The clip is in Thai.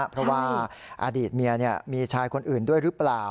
เพราะว่าอดีตเมียมีชายคนอื่นด้วยหรือเปล่า